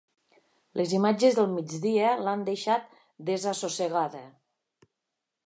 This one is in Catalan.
Les imatges del migdia l'han deixat desassossegada.